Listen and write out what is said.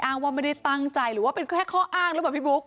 ว่าไม่ได้ตั้งใจหรือว่าเป็นแค่ข้ออ้างหรือเปล่าพี่บุ๊ค